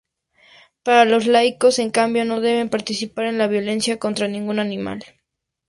Para los laicos, en cambio, no deben participar en la violencia contra ningún animal.